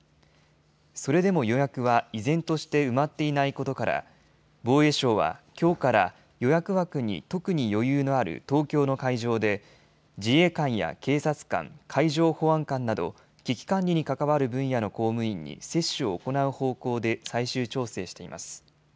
それでも予約は依然として埋まっていないことから防衛省はきょうから予約枠に特に余裕のある東京の会場で自衛官や警察官、海上保安官など危機管理に関わる分野の公務員に接種を行う方向で最終調整しています。